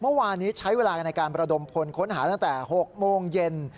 เมื่อวานนี้ใช้เวลาในการประดมพลค้นหาตั้งแต่๖โมงเย็น